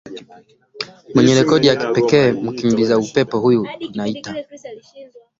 mwenye recodi ya kipekee mkibiza upepo huyu tunaita